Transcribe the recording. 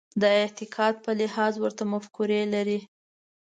د اعتقاد په لحاظ ورته مفکورې لري.